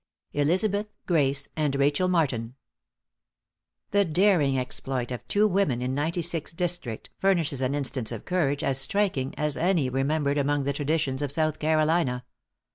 ELIZABETH, GRACE, AND RACHEL MARTIN, |The daring exploit of two women in Ninety Six District, furnishes an instance of courage as striking as any remembered among the traditions of South Carolina.